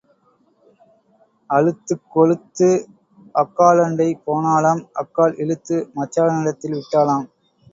அலுத்துக் கொழுத்து அக்காளண்டை போனாளாம் அக்காள் இழுத்து மச்சானிடத்தில் விட்டாளாம்.